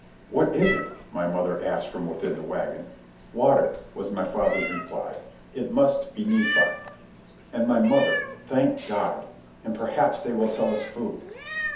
"What is it?" my mother asked from within the wagon. "Water," was my father's reply. "It must be Nephi." And my mother: "Thank God! And perhaps they will sell us food."